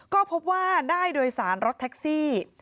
ก็พบว่าได้โดยสารรถแท็กซี่